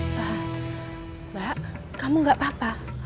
mbak kamu gak apa apa